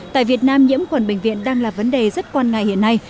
tại việt nam nhiễm khuẩn bệnh viện đang là vấn đề rất quan ngại hiện nay